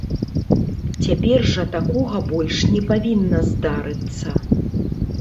Цяпер жа такога больш не павінна здарыцца.